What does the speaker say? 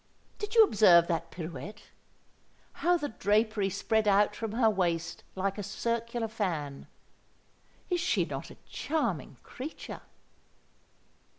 Did you observe that pirouette? How the drapery spread out from her waist like a circular fan! Is she not a charming creature?"